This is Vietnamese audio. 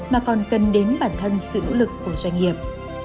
mà còn cần đến bản thân sự nỗ lực của doanh nghiệp